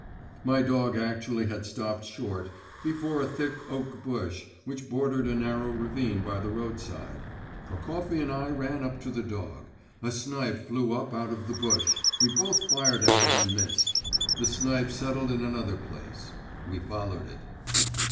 My dog actually had stopped short, before a thick oak bush which bordered a narrow ravine by the roadside. Prokofy and I ran up to the dog; a snipe flew up out of the bush, we both fired at it and missed; the snipe settled in another place; we followed it.